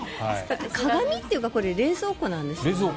鏡というか冷蔵庫なんですよね。